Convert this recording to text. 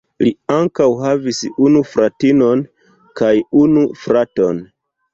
Li ankaŭ havis unu fratinon kaj unu fraton.